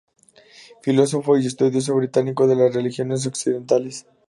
Filósofo y estudioso británico de las religiones occidentales.